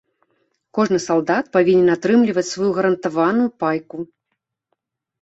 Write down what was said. Кожны салдат павінен атрымліваць сваю гарантаваную пайку.